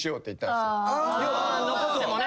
残ってもね。